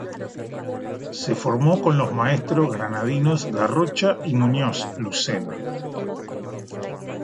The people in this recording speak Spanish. Se formó con los maestros granadinos Garrocha y Muñoz Lucena.